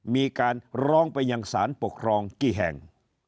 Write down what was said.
มีการร้องไปยังสารปกครองกี่แห่ง